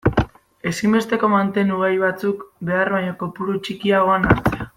Ezinbesteko mantenugai batzuk behar baino kopuru txikiagoan hartzea.